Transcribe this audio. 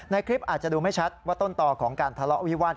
คลิปอาจจะดูไม่ชัดว่าต้นต่อของการทะเลาะวิวาส